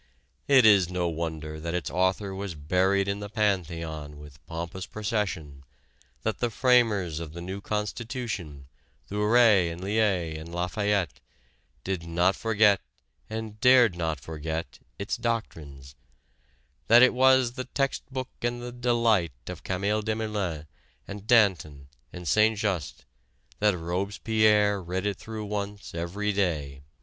It is no wonder that its author was buried in the Pantheon with pompous procession, that the framers of the new Constitution, Thouret and Lièyes and La Fayette, did not forget and dared not forget its doctrines, that it was the text book and the delight of Camille Desmoulins and Danton and St. Just, that Robespierre read it through once every day."